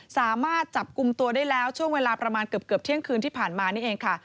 สามารถจับกลุ่มตัวได้แล้วช่วงเวลาประมาณเกือบเที่ยงคืนที่ผ่านมานี่เองค่ะ